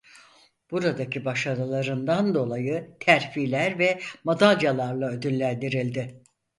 Buradaki başarılarından dolayı terfiler ve madalyalarla ödüllendirildi.